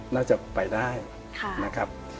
น่าจะไปได้นะครับ